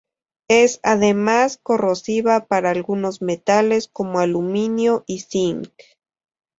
Es, además, corrosiva para algunos metales como aluminio y zinc.